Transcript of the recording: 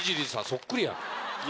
そっくりや。